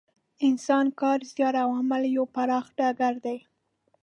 انسان کار، زیار او عمل یو پراخ ډګر دی.